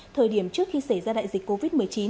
thời điểm trước khi xảy ra đại dịch covid một mươi chín